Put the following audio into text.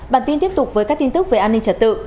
bản tin tiếp tục với các tin tức về an ninh trật tự